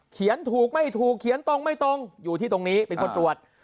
ถูกไม่ถูกเขียนตรงไม่ตรงอยู่ที่ตรงนี้เป็นคนตรวจ